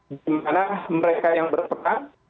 bagaimana mereka yang berpegang